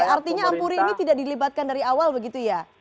artinya ampuri ini tidak dilibatkan dari awal begitu ya